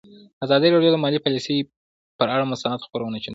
ازادي راډیو د مالي پالیسي پر اړه مستند خپرونه چمتو کړې.